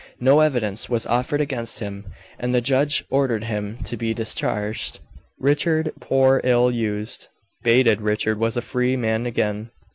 No evidence was offered against him, and the judge ordered him to be discharged. Richard, poor, ill used, baited Richard was a free man again.